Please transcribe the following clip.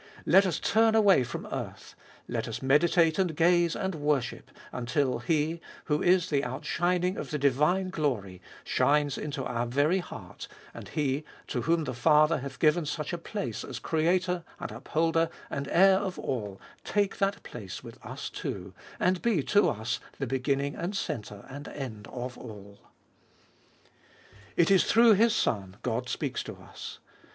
Let us turn away from earth, let us meditate and gaze and worship, until He, who is the outshining of the divine glory, shines into our very heart, and He, to whom the Father hath given such a place as Creator and Upholder and Heir of all, take that place with us too, and be to us the beginning and the centre and the end of all. It is through this Son God speaks to us.